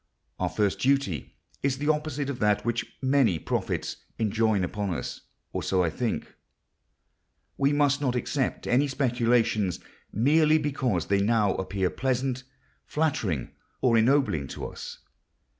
Our first duty is the opposite of that which many prophets enjoin upon us—or so I think. We must not accept any speculations merely because they now appear pleasant, flattering, or ennobling to us.